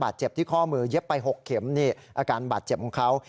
เจ็บที่ข้อมือเย็บไป๖เข็มนี่อาการบาดเจ็บของเขา